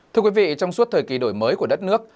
thưa quý vị trong suốt thời kỳ đổi mới của đất nước